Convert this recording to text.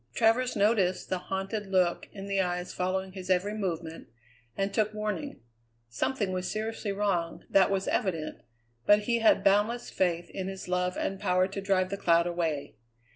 Travers noticed the haunted look in the eyes following his every movement, and took warning. Something was seriously wrong, that was evident; but he had boundless faith in his love and power to drive the cloud away.